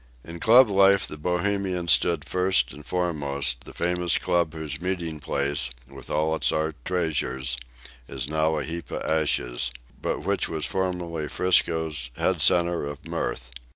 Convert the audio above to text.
In club life the Bohemian stood first and foremost, the famous club whose meeting place, with all its art treasures, is now a heap of ashes, but which was formerly 'Frisco's head centre of mirth.